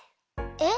えっ？